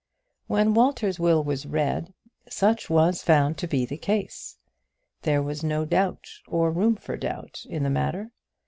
When Walter's will was read such was found to be the case. There was no doubt, or room for doubt, in the matter.